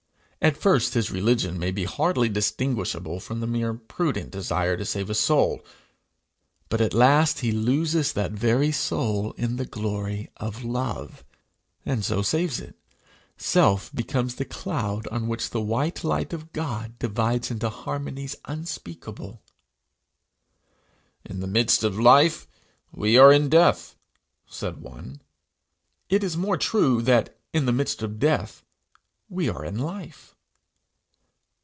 At first his religion may hardly be distinguishable from the mere prudent desire to save his soul; but at last he loses that very soul in the glory of love, and so saves it; self becomes but the cloud on which the white light of God divides into harmonies unspeakable. 'In the midst of life we are in death,' said one; it is more true that in the midst of death we are in life.